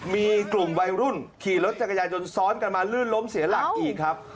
มีกลุ่มวัยรุ่นขี่รถจักรยายนซ้อนกันมาลื่นล้มเสียหลักอีกครับ